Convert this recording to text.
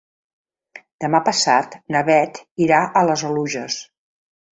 Demà passat na Bet irà a les Oluges.